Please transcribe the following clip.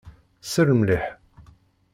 Sel mliḥ.